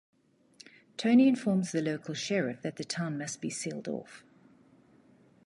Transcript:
Tony informs the local sheriff that the town must be sealed off.